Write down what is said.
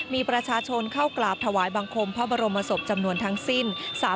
มีประชาชนเข้ากราบถวายบังคมพระบรมศพจำนวนทั้งสิ้น